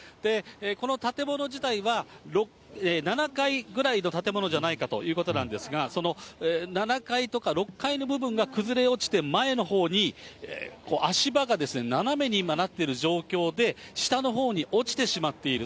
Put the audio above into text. この建物自体は、７階ぐらいの建物じゃないかということなんですが、その７階とか６階の部分が崩れ落ちて、前のほうに足場が斜めに今なっている状況で、下のほうに落ちてしまっている。